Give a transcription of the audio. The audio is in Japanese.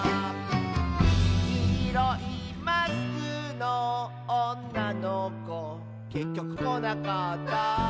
「きいろいマスクのおんなのこ」「けっきょくこなかった」